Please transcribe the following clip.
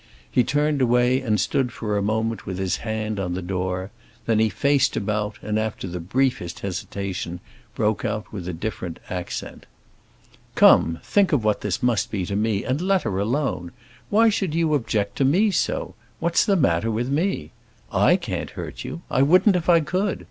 He turned away and stood for a moment with his hand on the door; then he faced about and after the briefest hesitation broke out with a different accent. "Come, think of what this must be to me, and let her alone! Why should you object to me so—what's the matter with me? I can't hurt you. I wouldn't if I could.